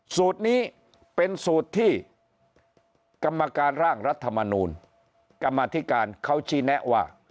สูตรนี้เป็นสูตรที่กรรมการร่างรัฐมนูลกรรมธิการเขาชี้แนะว่า